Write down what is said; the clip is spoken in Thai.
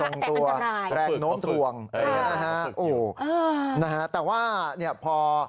แต่อันกับนายแรกโน้มถวงค่ะอู้นะฮะแต่ว่าเนี้ยพอ